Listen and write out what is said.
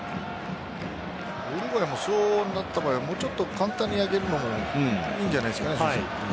ウルグアイも、そうなった場合もうちょっと簡単に上げるのもいいんじゃないですかね。